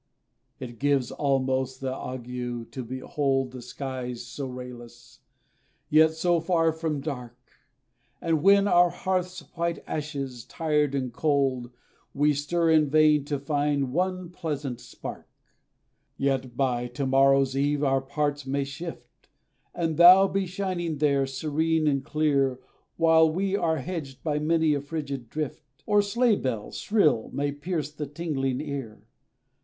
It gives almost the ague, to behold The skies so rayless, yet so far from dark; As when our hearth's white ashes, tired and cold, We stir in vain to find one pleasant spark. Yet, by to morrow's eve our parts may shift, And thou be shining there, serene and clear, While we are hedged by many a frigid drift; Or sleigh bells shrill may pierce the tingling ear.